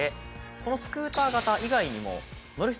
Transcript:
このスクーター型以外にも。